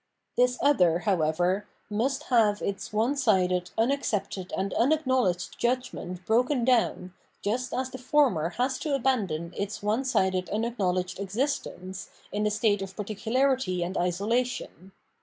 This other, however, must have its onesided, unaccepted, and unacknowledged judgment broken down, just as the former has to abandon its onesided unaclmowledged. existence in a state of par ticularity and isolation.